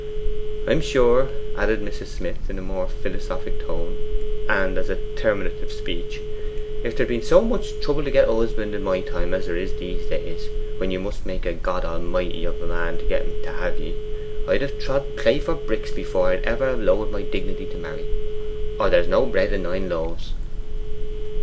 'I'm sure,' added Mrs. Smith in a more philosophic tone, and as a terminative speech, 'if there'd been so much trouble to get a husband in my time as there is in these days when you must make a god almighty of a man to get en to hae ye I'd have trod clay for bricks before I'd ever have lowered my dignity to marry, or there's no bread in nine loaves.